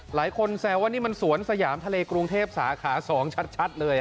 แซวว่านี่มันสวนสยามทะเลกรุงเทพสาขา๒ชัดเลย